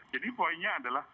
jadi poinnya adalah